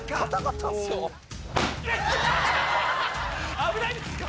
危ないですよ！